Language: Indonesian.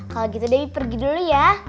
kalau gitu dewi pergi dulu ya